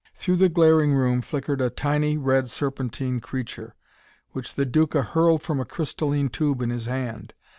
Through the glaring room flickered a tiny red serpentine creature which the Duca hurled from a crystalline tube in his hand.